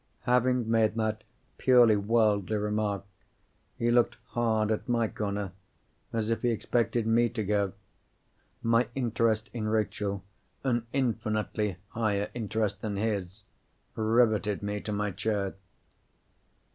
Having made that purely worldly remark, he looked hard at my corner, as if he expected me to go. My interest in Rachel—an infinitely higher interest than his—riveted me to my chair.